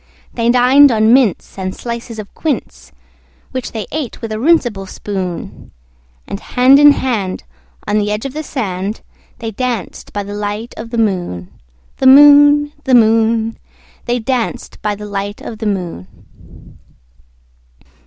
They dined on mince and slices of quince, Which they ate with a runcible spoon; And hand in hand, on the edge of the sand, They danced by the light of the moon, The moon, The moon, They danced by the light of the moon.